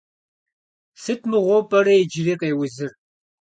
Сыт мыгъуэу пӏэрэ иджыри къеузыр?